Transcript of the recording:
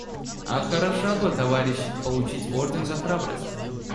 А хорошо бы, товарищ, получить орден за храбрость.